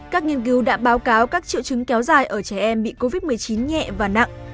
các nghiên cứu đã báo cáo các triệu chứng kéo dài ở trẻ em bị covid một mươi chín nhẹ và nặng